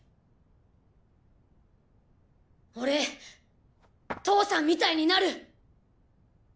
俺父さんみたいになる！